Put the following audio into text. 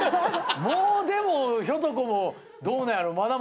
もうでもひょと子もどうなんやろ。